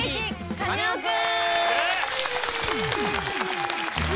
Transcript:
カネオくん」！